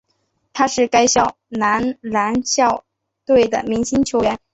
他是该校男篮校队的明星球员。